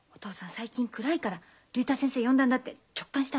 最近暗いから竜太先生呼んだんだって直感したの。